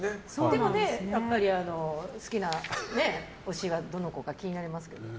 でも、やっぱり好きな推しはどの子か気になりますけど。